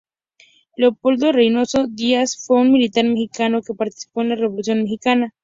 Leopoldo Reynoso Díaz fue un militar mexicano que participó en la Revolución mexicana.